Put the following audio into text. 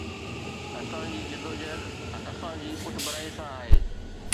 اسان جي جدوجهد اسان جي پٺڀرائي سان آهي.